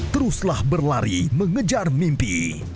teruslah berlari mengejar mimpi